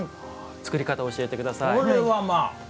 作り方を教えてください。